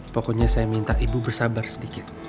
pokoknya saya minta ibu bersabar sedikit